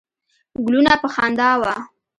ګلونه په خندا وه.